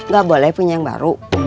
gak boleh punya yang baru